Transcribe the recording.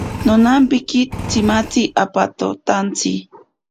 Nonampiki tsimatzi apototantsi.